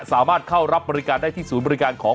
สามารถเข้ารับบริการได้ที่ศูนย์บริการของ